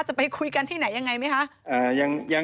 จะไปคุยกันที่ไหนยังไงไหมคะ